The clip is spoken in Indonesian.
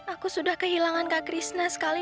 aku sudah kehilangan kak krishna sekali